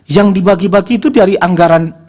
yang dibagi bagi itu dari anggaran